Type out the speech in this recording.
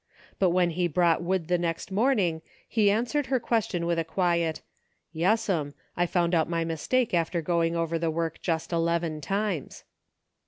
But when he brought wood the next evening he answered her question with a quiet " Yes'm, I found out my mistake after, going over the work just eleven times."